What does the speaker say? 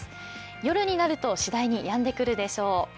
夜になると次第にやんでくるでしょう。